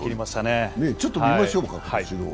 ちょっと見ましょうか。